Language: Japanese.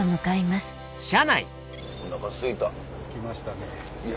すきましたね。